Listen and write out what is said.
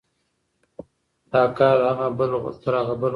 دا کار له هغه بل غوره دی.